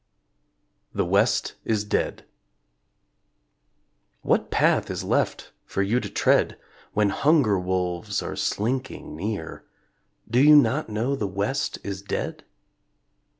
THE WEST IS DEAD What path is left for you to tread When hunger wolves are slinking near Do you not know the West is dead?